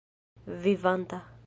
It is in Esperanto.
vivanta